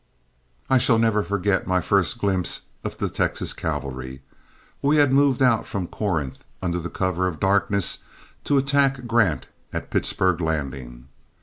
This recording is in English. I shall never forget my first glimpse of the Texas cavalry. We had moved out from Corinth, under cover of darkness, to attack Grant at Pittsburg Landing.